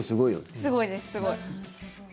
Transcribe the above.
すごいです、すごい。